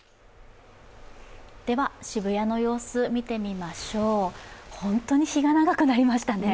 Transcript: では渋谷の様子、見てみましょう本当に日が長くなりましたね。